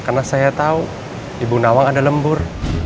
karena saya tahu ibu nawang ada lembur